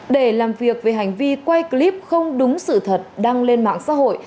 để làm việc về hành vi quay clip không đúng sự thật đăng lên mạng xã hội